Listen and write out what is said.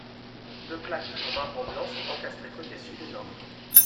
Deux plaques en marbre blanc sont encastrées côtés sud et nord.